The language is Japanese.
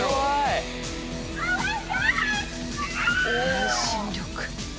遠心力。